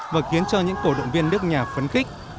và khiến cho những cổ động viên nước nhà phấn khích